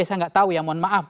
saya nggak tahu ya mohon maaf